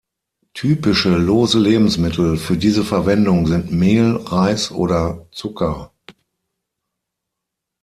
Typische lose Lebensmittel für diese Verwendung sind Mehl, Reis oder Zucker.